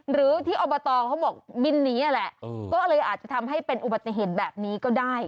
หรือที่อบตเขาบอกบินนี้แหละก็เลยอาจจะทำให้เป็นอุบัติเหตุแบบนี้ก็ได้